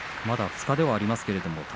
まだ２日ではありますけれども